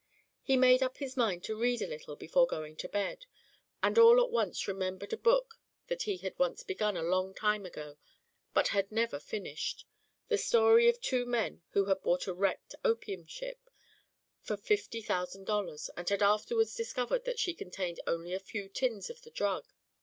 He made up his mind to read a little before going to bed, and all at once remembered a book that he had once begun a long time ago but had never finished: the story of two men who had bought a wrecked opium ship for fifty thousand dollars and had afterward discovered that she contained only a few tins of the drug.